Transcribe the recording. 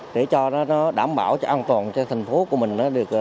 để cho nó đảm bảo cho an toàn cho thành phố của mình